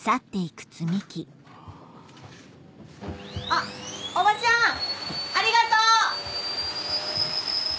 あっおばちゃんありがとう！